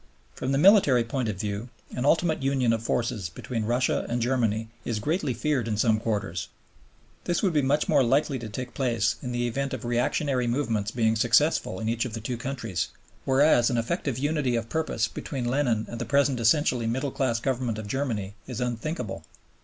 From the military point of view an ultimate union of forces between Russia and Germany is greatly feared in some quarters. This would be much more likely to take place in the event of reactionary movements being successful in each of the two countries, whereas an effective unity of purpose between Lenin and the present essentially middle class Government of Germany is unthinkable.